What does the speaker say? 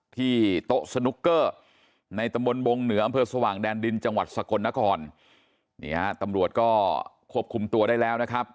ที่โต๊ะสนุกเกอร์ในตำบลบงเหนืออำเภอสว่างแดนดินจังหวัดสกลนครนี่ฮะตำรวจก็ควบคุมตัวได้แล้วนะครับ